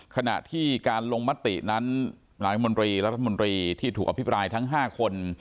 ขณะที่การลงมตินั้นหลายมนตรีรัฐมนตรีที่ถูกอภิปรายทั้ง๕คน